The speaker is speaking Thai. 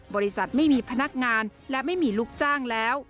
บริษัทไม่มีพนักงานและไม่มีลูกจ้างแล้ว